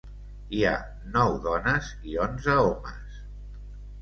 Hi ha nou dones i onze homes.